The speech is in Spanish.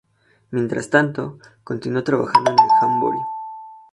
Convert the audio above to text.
Mientras tanto, continuó trabajando en el Jamboree.